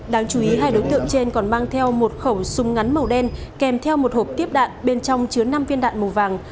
đáng chú ý hai đối tượng trên còn mang theo một khẩu súng ngắn màu đen kèm theo một hộp tiếp đạn bên trong chứa năm viên đạn màu vàng